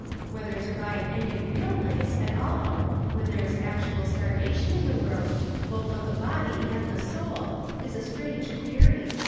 Whether to buy any real lace at all, when there is actual starvation in the world, both of the body and the soul, is a strange query.